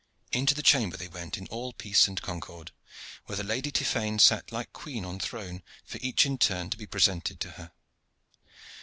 Into the chamber they went in all peace and concord, where the Lady Tiphaine sat like queen on throne for each in turn to be presented to her.